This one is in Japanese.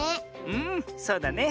うんそうだね。